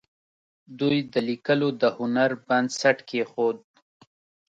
دوی د لیکلو د هنر بنسټ کېښود.